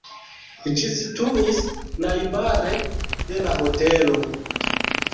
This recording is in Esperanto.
Ĝi situis najbare de la hotelo.